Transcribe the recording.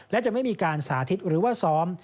และจะไม่มีการสาธิตหรือว่าซ้อม